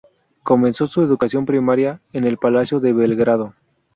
Comenzó su educación primaria en el Palacio de Belgrado.